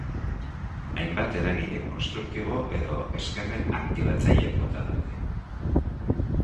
Hainbat eragile konstruktibo edo eskemen aktibatzaile mota daude.